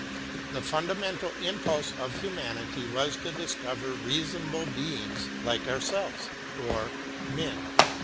The fundamental Impulse of humanity was to discover reasonable beings like ourselves, — or men.